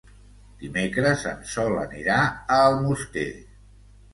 Dimecres en Sol anirà a Almoster.